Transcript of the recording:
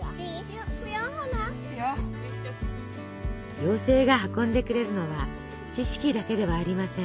妖精が運んでくれるのは知識だけではありません。